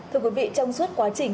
thưa quý vị trong suốt quá trình